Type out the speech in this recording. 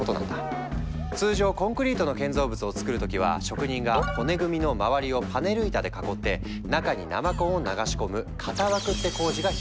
通常コンクリートの建造物をつくる時は職人が骨組みの周りをパネル板で囲って中に生コンを流し込む「型枠」って工事が必須だったの。